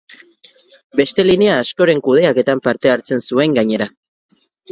Beste linea askoren kudeaketan parte hartzen zuen, gainera.